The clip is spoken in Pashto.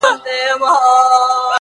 ایله عقل د کومول ورغی سرته؛